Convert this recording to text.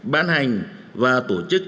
bán hành và tổ chức